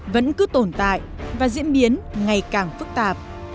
vẫn cứ tồn tại và diễn biến ngày càng phức tạp